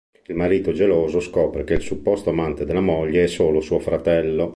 Un marito geloso scopre che il supposto amante della moglie è solo suo fratello.